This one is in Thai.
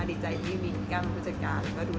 ดีใจที่มีพี่ก้าเป็นผู้จัดการก็ดูแลมาตลอด